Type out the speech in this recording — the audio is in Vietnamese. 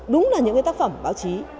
đúng là những tác phẩm báo chí